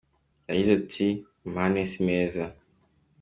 Amahane si meza.